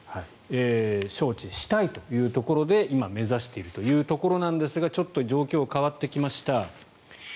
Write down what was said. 招致したいというところで今、目指しているというところなんですがちょっと状況が変わってきました。